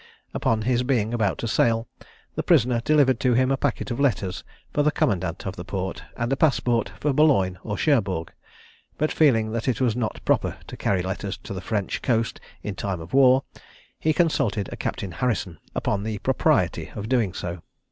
Upon his being about to sail, the prisoner delivered to him a packet of letters for the commandant of the port, and a passport for Boulogne or Cherbourg; but feeling that it was not proper to carry letters to the French coast in time of war, he consulted a Captain Harrison upon the propriety of doing so.